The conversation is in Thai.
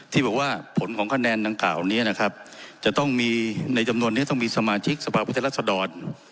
ที่บอกว่าผลของคะแนนดังกล่าวนี้นะครับจะต้องมีในจำนวนนี้ต้องมีสมาชิกสภาพุทธรัศดร